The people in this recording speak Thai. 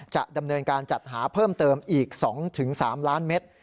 จะดำเนินการจัดหาเพิ่มเติมอีก๒๓ล้านเมตร